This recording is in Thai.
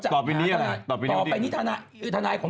แถนนี้ต้องชำระเดี๋ยวก่อน